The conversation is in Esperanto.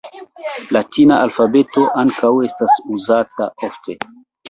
Latina alfabeto ankaŭ estas uzata ofte.